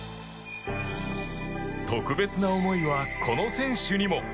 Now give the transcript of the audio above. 特別な思いは、この選手にも。